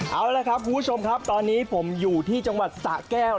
เอาละครับคุณผู้ชมครับตอนนี้ผมอยู่ที่จังหวัดสะแก้ว